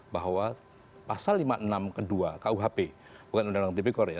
bahwa pasal lima puluh enam kedua kuhp bukan undang undang tipikor ya